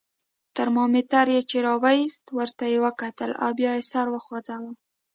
ترمامیتر یې چې را وایست، ورته یې وکتل او بیا یې سر وخوځاوه.